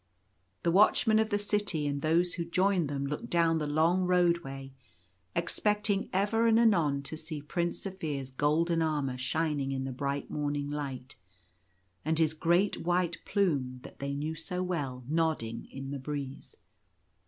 The watchmen of the city and those who joined them looked down the long roadway, expecting ever and anon to see Prince Zaphir's golden armour shining in the bright morning light, and his great white plume, that they knew so well, nodding in the breeze.